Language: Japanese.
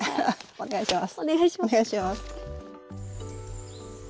お願いします。